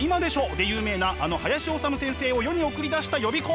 で有名なあの林修先生を世に送り出した予備校。